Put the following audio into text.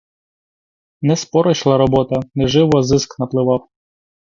Не споро йшла робота, не живо зиск напливав.